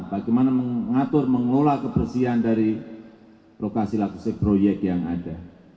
bagaimana mengatur mengelola kebersihan dari lokasi lokasi proyek yang ada